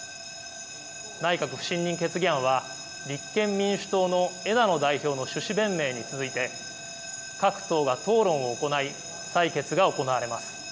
内閣不信任決議案は立憲民主党の枝野代表の趣旨弁明に続いて各党が討論を行い採決が行われます。